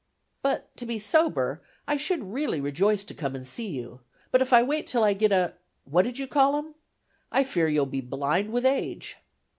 "But, to be sober, I should really rejoice to come and see you, but if I wait till I get a (what did you call 'em?) I fear you'll be blind with age.